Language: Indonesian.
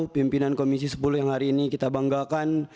pimpinan komisi sepuluh yang hari ini kita banggakan